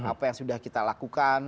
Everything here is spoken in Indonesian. apa yang sudah kita lakukan